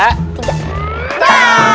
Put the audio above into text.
satu dua tiga